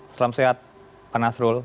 selamat siang pak nasrullah